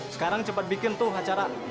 sekarang cepat bikin tuh acara